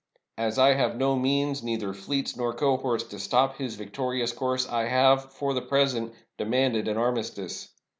As I had no means, neither fleets nor cohorts, to stop his victorious course, I have, for the present, demanded an armistice.